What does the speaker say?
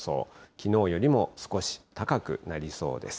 きのうよりも少し高くなりそうです。